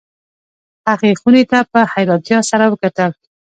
هغې خونې ته په حیرانتیا سره وکتل